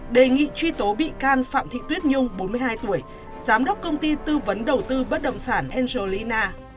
đề nghị truy tố bị can phạm thị tuyết nhung bốn mươi hai tuổi giám đốc công ty tư vấn đầu tư bất động sản angelina